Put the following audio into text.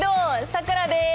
さくらです。